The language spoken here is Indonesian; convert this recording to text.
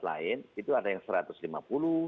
lain itu ada yang rp satu ratus lima puluh